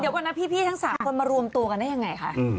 เดี๋ยวก่อนนะพี่ทั้ง๓คนมารวมตัวกันได้ยังไงคะ